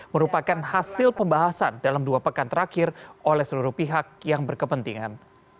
merupakan hasil pembahasan dalam dua pekan terakhir oleh seluruh pihak yang berkepentingan